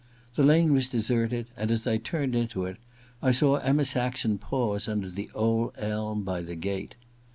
The lane was deserted, and as I turned into it I saw Emma Saxon pause under the old elm by the gate.